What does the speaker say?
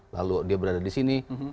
lalu dia berada di sini